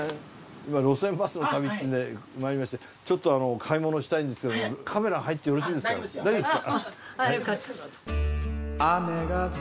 今『路線バスの旅』っていうので参りましてちょっと買い物したいんですけども大丈夫ですか。